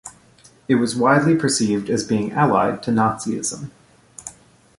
It was widely perceived as being allied to Nazism.